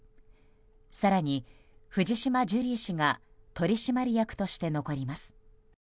更に、藤島ジュリー氏が取締役として残ります。